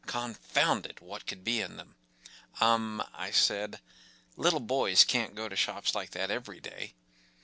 Confound it! what could be in them ? “Um !” I said. “Little boys can’t go to shops like that every day.